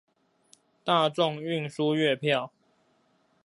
大眾運輸月票